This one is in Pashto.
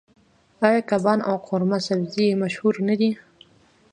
آیا کباب او قورمه سبزي مشهور نه دي؟